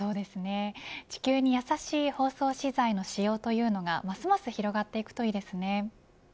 地球にやさしい包装資材の仕様というのがますます広がっていくといいですね。